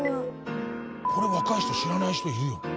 これ若い人知らない人いるよ。